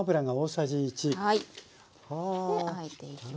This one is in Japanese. あえていきます。